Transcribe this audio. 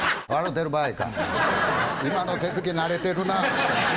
今の手つき慣れてるなぁ。